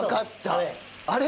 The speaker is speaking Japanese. あれ？